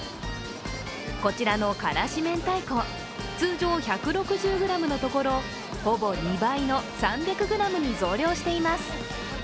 こちらの辛子明太子、通常１６０ｇのところほぼ２倍の３００ｇに増量しています。